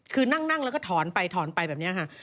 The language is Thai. คือนั่งแล้วก็ถอนไปถอนไปแบบนี้ค่ะ